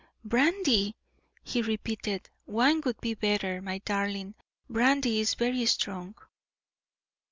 "Brandy!" he repeated. "Wine would be better, my darling; brandy is very strong."